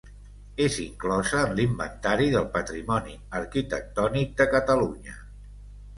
És inclosa en l'Inventari del Patrimoni Arquitectònic de Catalunya.